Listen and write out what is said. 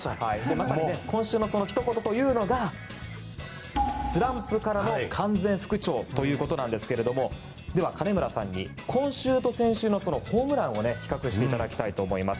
まさに、今週のひと言というのがスランプからの完全復調ということなんですけどでは、金村さんに今週と先週のホームランを、比較していただきたいと思います。